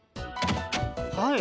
はい。